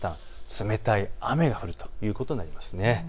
冷たい雨が降るということになります。